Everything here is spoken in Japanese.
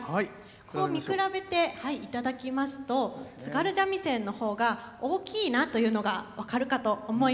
こう見比べていただきますと津軽三味線のほうが大きいなというのが分かるかと思います。